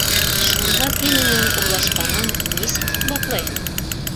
Шунһыҙ һин уның урлашҡанын нисек иҫбатлайһың?